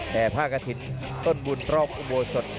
แห่ผ้ากระทินต้นบุญรอบอุโมสน